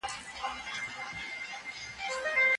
تورم د اسعارو بیه لوړه کوي.